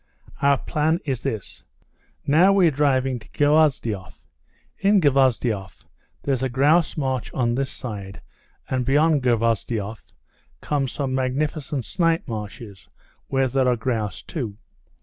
"Our plan is this. Now we're driving to Gvozdyov. In Gvozdyov there's a grouse marsh on this side, and beyond Gvozdyov come some magnificent snipe marshes where there are grouse too.